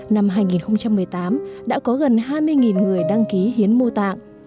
năm hai nghìn một mươi tám đã có gần hai mươi người đăng ký hiến mô tạng